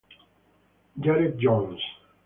Gareth Jones